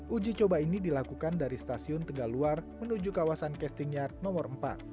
uji coba ini dilakukan dari stasiun tegaluar menuju kawasan casting yard nomor empat